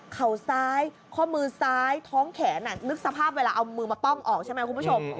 เขาซ้ายข้อมือซ้ายท้องแขนนึกสภาพเวลาเอามือมาป้องออกใช่ไหมคุณผู้ชม